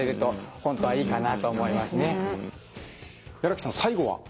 木さん最後は？